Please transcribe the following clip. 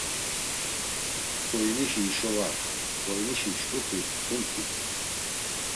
Ǩoinişi hişo var, ǩoinişi şǩuti ptxumt̆itu.